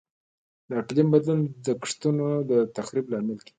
د اقلیم بدلون د کښتونو د تخریب لامل کیږي.